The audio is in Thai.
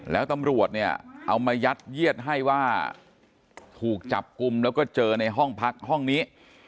แล้วตำรวจเนี่ยเอามายัดเยียดให้ว่าถูกจับกลุ่มแล้วก็เจอในห้องพักห้องนี้